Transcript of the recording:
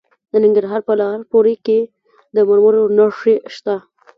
د ننګرهار په لعل پورې کې د مرمرو نښې شته.